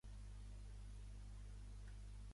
Està escrit en papiament.